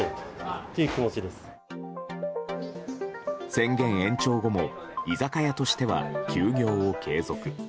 宣言延長後も居酒屋としては休業を継続。